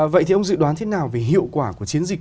vậy thì ông dự đoán thế nào về hiệu quả của chiến dịch